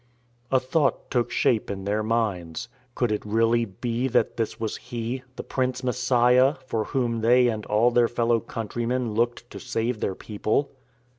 A thought took shape in their minds. Could it really be that this was He, the Prince Messiah, for Whom they and all their fellow countrymen looked to save their people